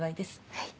はい。